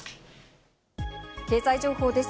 経済情報です。